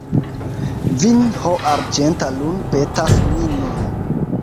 Vin ho arĝenta lun’ petas mi nun.